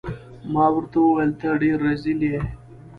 ما ورته وویل: ته ډیر رزیل يې.